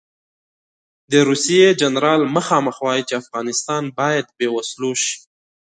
د روسیې جنرال مخامخ وایي چې افغانستان باید بې وسلو شي.